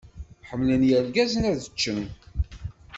Ḥemmlen yirgazen ad ččen